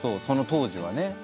その当時はね。